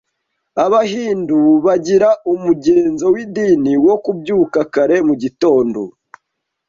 Abahindu bagira umugenzo w’idini wo kubyuka kare mu gitondo